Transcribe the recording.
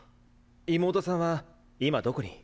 妹さんは今どこに？